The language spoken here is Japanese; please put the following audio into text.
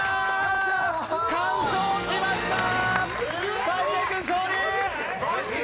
完勝しました、大晴君、勝利。